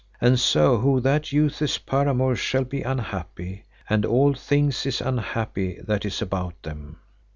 And so who that useth paramours shall be unhappy, and all thing is unhappy that is about them.